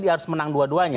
harus menang dua duanya